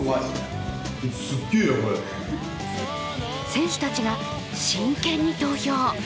選手たちが真剣に投票。